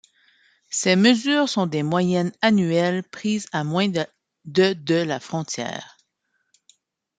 Ces mesures sont des moyennes annuelles prises à moins de de la frontière.